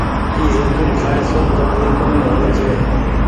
اي زيتونٚ کآئي سون ڪبزي ڪونيٚ هووي ڇي۔